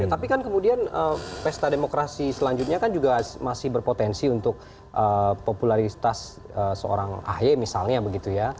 tapi kan kemudian pesta demokrasi selanjutnya kan juga masih berpotensi untuk popularitas seorang ahy misalnya begitu ya